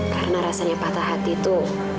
karena rasanya patah hati itu